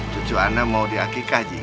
cucu anda mau di akikah ji